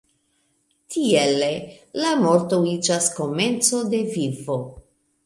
Tiele la morto iĝas komenco de vivo.